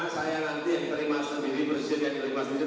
saya nanti yang terima sendiri presiden terima sendiri